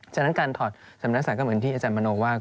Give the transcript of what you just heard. ฉะนั้นการถอดสำนักศาสก็เหมือนที่อาจารย์มโนว่า